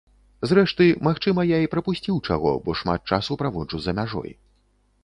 Зрэшты, магчыма, я і прапусціў чаго, бо шмат часу праводжу за мяжой.